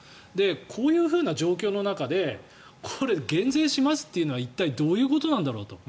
こういう状況の中でこれ、減税しますっていうのは一体どういうことなんだろうと。